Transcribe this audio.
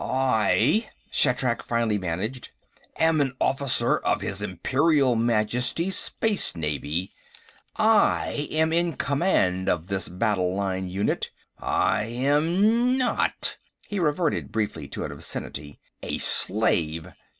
"I," Shatrak finally managed, "am an officer of his Imperial Majesty's Space Navy. I am in command of this battle line unit. I am not" he reverted briefly to obscenity "a slave."